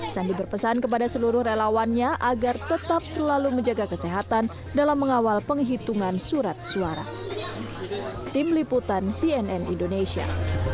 sandi berpesan kepada seluruh relawannya agar tetap selalu menjaga kesehatan dalam mengawal penghitungan surat suara